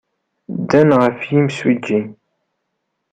Ddan ɣer yimsujji.